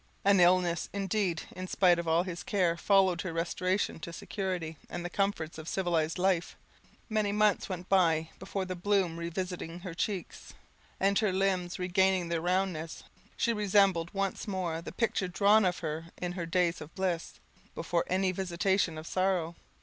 An illness, indeed, in spite of all his care, followed her restoration to security and the comforts of civilized life; many months went by before the bloom revisiting her cheeks, and her limbs regaining their roundness, she resembled once more the picture drawn of her in her days of bliss, before any visitation of sorrow.